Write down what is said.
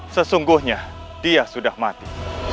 sesungguhnya dia sudah mati